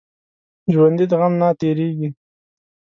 ژوندي د غم نه تېریږي